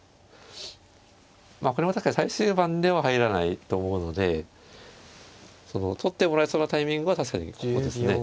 これも確かに最終盤では入らないと思うので取ってもらえそうなタイミングは確かにここですね。